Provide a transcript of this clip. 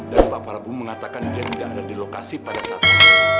dan pak prabu mengatakan dia tidak ada di lokasi pada saat itu